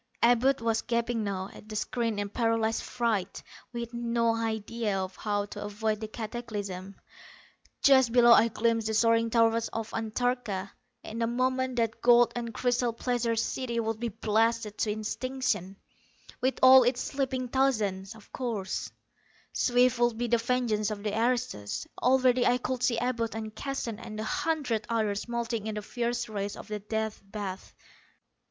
Abud was gaping now at the screen in paralyzed fright, with no idea of how to avoid the cataclysm. Just below I glimpsed the soaring towers of Antarcha. In a moment that gold and crystal pleasure city would be blasted to extinction, with all its sleeping thousands. Swift would be the vengeance of the aristos. Already I could see Abud and Keston and a hundred others melting in the fierce rays of the Death Bath!